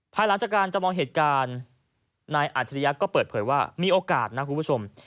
ภายหลังจากการจำลองเหตุการณ์นายอัจฉริยะก็เปิดเผยว่ามีโอกาสนะคุณผู้ชม